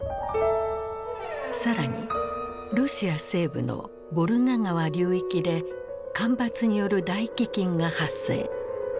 更にロシア西部のボルガ川流域で干ばつによる大飢饉が発生。